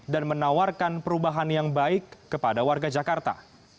dan menawarkan perubahan yang baik kepada warga jakarta